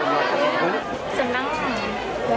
senang bahagia unik lah